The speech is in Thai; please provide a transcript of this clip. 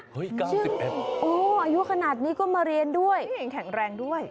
๙๑โอ้อายุขนาดนี้ก็มาเรียนด้วยแข็งแรงด้วย